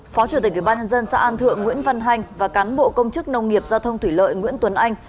phó chủ tịch ubnd xã an thượng nguyễn văn hành và cán bộ công chức nông nghiệp giao thông thủy lợi nguyễn tuấn anh